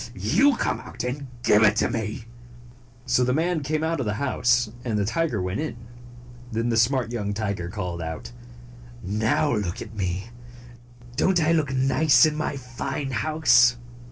You come out and give it to me !" So the man came out of the house, and the tiger went in. Then the smart young tiger called out, "Now look at me! Don't I look nice in my fine house?"